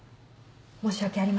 申し訳ありません。